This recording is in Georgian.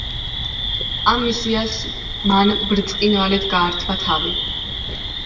ამ მისიას მან ბრწყინვალედ გაართვა თავი.